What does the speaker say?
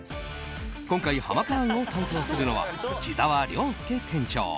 今回、ハマカーンを担当するのは志澤了輔店長。